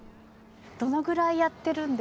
どのぐらいやってるんですか？